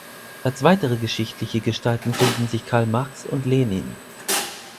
Als weitere geschichtliche Gestalten finden sich Karl Marx und Lenin.